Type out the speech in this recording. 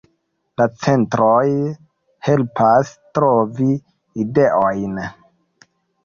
La centroj helpas trovi ideojn.